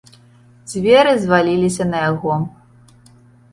Дзверы зваліліся на яго.